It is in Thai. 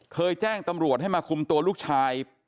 แจ้งตำรวจให้มาคุมตัวลูกชาย